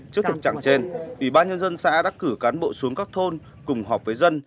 trước thực trạng trên ủy ban nhân dân xã đã cử cán bộ xuống các thôn cùng họp với dân